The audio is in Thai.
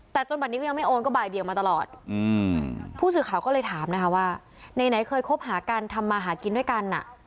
แต่จนบัดนี้ก็ยังไม่โอนก็บ่ายเบียงมาตลอดผู้สื่อข่าวก็เลยถามนะคะว่าไหนเคยคบหากันทำมาหากินด้วยกันอ่ะ